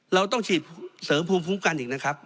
เราต้องฉีดเสริมภูมิคุ้มกันอีกนะครับ